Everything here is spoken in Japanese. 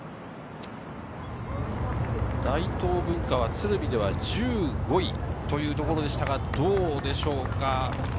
大東文化は、鶴見では１５位というところでしたが、どうでしょうか。